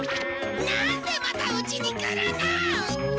なんでまたうちに来るの！？